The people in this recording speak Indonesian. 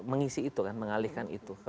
mengisi itu kan mengalihkan itu